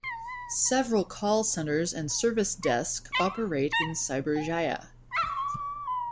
Several call centres and service desk operate in Cyberjaya.